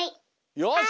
よし！